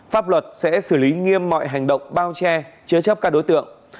pháp luật sẽ xử lý nghiêm mọi hành động bao che chứa chấp các đối tượng